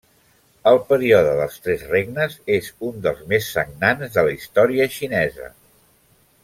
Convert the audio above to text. El període dels Tres Regnes és un dels més sagnants de la història xinesa.